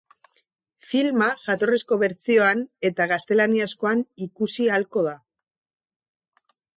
Filma jatorrizko bertsioan eta gaztelaniazkoan ikusi ahalko da.